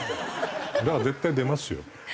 だから絶対出ますよ。